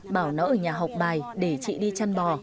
bảo nó ở nhà học bài để chị đi chăn bò